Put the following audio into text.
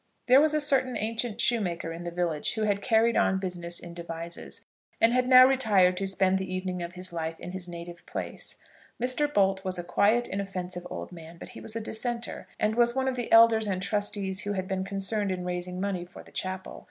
There was a certain ancient shoemaker in the village who had carried on business in Devizes, and had now retired to spend the evening of his life in his native place. Mr. Bolt was a quiet, inoffensive old man, but he was a dissenter, and was one of the elders and trustees who had been concerned in raising money for the chapel.